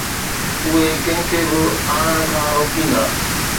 اهي ڪنهن کي به آڻڻ کان روڪيندا.